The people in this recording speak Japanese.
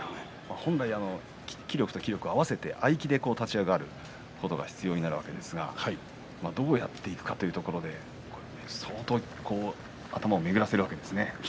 本来気力と気力を合わせて合気で立ち上がることが必要になるわけですがどうやっていくかということで相当頭を巡らせるわけですね。